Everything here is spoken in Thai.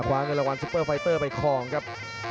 เงินรางวัลซุปเปอร์ไฟเตอร์ไปครองครับ